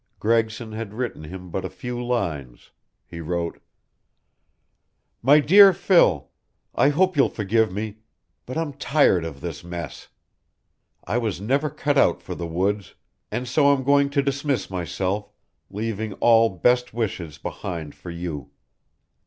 Gregson had written him but a few lines. He wrote: MY DEAR PHIL, I hope you'll forgive me. But I'm tired of this mess. I was never cut out for the woods, and so I'm going to dismiss myself, leaving all best wishes behind for you.